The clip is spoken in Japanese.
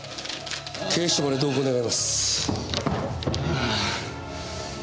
警視庁まで同行願います。